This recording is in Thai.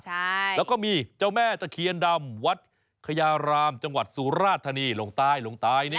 ใช่แล้วก็มีเจ้าม่าตะเคียนดำวัดขญารามจังหวัดสู่รากษณีย์โลงใต้โลงใต้นี่